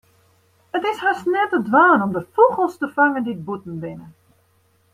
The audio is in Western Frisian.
It is hast net te dwaan om de fûgels te fangen dy't bûten binne.